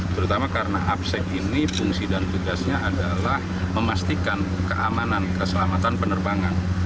terutama karena apsek ini fungsi dan tugasnya adalah memastikan keamanan keselamatan penerbangan